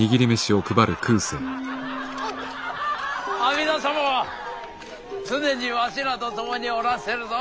阿弥陀様は常にわしらと共におらっせるぞ。